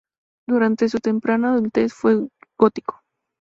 Durante su temprana adultez, fue gótico.